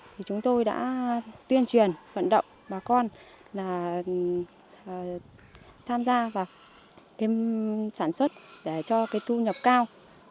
thì chúng tôi đã tuyên truyền vận động bà con là tham gia vào cái sản xuất để cho cái thu nhập cao